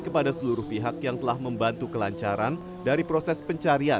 kepada seluruh pihak yang telah membantu kelancaran dari proses pencarian